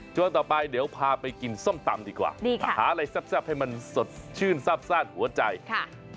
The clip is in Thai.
ช่วงต่อไปเดี๋ยวพาไปกินส้มตำดีกว่านี่ค่ะหาอะไรแซ่บให้มันสดชื่นซับซ่านหัวใจค่ะ